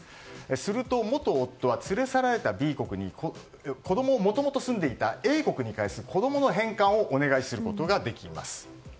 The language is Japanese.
すると元夫は連れ去られたＢ国に子供がもともと住んでいたＡ国に返す、子供の返還をお願いすることができます。